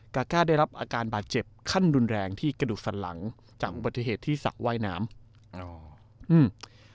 กะกะได้รับอาการบาดเจ็บขั้นดุนแรงที่กระดูกศรรหลังจากปฏิเกตที่สักว่ายน้ำอ๋ออืม